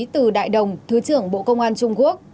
từ đại đồng thứ trưởng bộ công an trung quốc